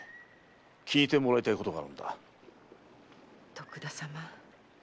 徳田様。